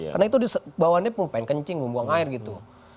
karena itu bawahannya pengen kencing mau buang air gitu